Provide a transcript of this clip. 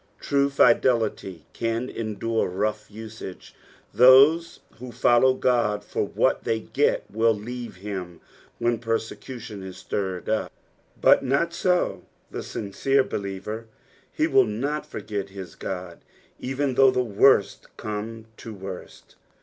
True fidelity can endure rough usage. Those who follow Qod for what they get, will leave him when persecution is stirred up, but not so the sincere believer ; he will not forget his God, even though the woret come to the wont.